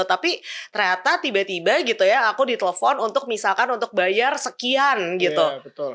tapi ternyata tiba tiba gitu ya aku ditelepon untuk misalkan untuk bayar sekian gitu